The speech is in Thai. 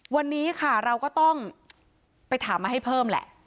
วันนี้ค่ะเราก็ต้องไปถามมาให้เพิ่มแหละ